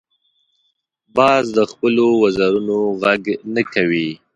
باز د خپلو وزرونو غږ نه کوي